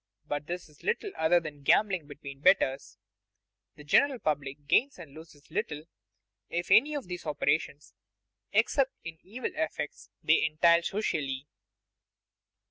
But this is little other than gambling between betters. The general public gains and loses little if any by these operations, except in the evil effects they entail socially.